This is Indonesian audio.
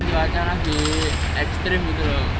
cuaca lagi ekstrim gitu loh